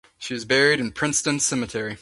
She is buried in Princeton Cemetery.